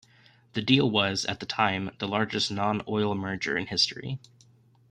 The deal was, at the time, the largest non-oil merger in history.